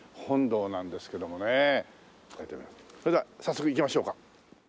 それでは早速行きましょうか。